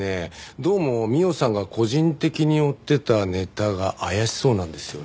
どうも美緒さんが個人的に追ってたネタが怪しそうなんですよね。